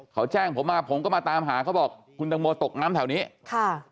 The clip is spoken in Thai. เขาแจ้งผมมาผมก็มาตามหาเขาบอกคุณตังโมตกน้ำแถวนี้ค่ะ